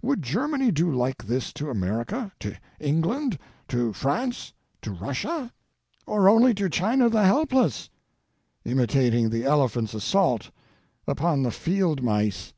Would Germany do like this to America, to England, to France, to Eus sia? Or only to China the helpless — imitating the elephant's assault upon the field mice